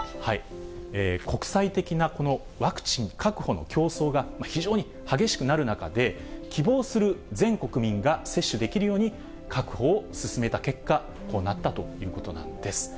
国際的なこのワクチン確保の競争が非常に激しくなる中で、希望する全国民が接種できるように確保を進めた結果、こうなったということなんです。